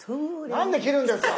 なんで切るんですか！